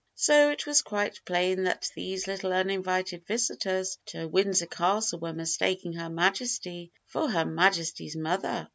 So it was quite plain that these little uninvited visitors to Windsor Castle were mistaking Her Majesty for Her Majesty's mother!